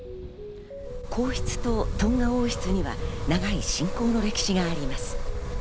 皇室とトンガ王室には長い親交の歴史があります。